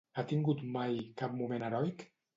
Ha tingut mai cap moment heroic?